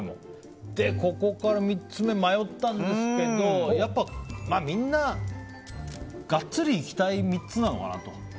ここから３つ目迷ったんですけどやっぱりみんなガッツリいきたい３つなのかなと。